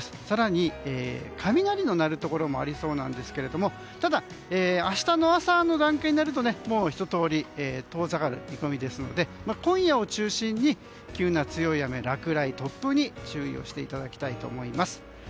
更に雷の鳴るところもありそうなんですがただ、明日の朝の段階になるとひと通り遠ざかる見込みですので今夜を中心に急な強い雨落雷、突風に注意をしていただきたいと思います。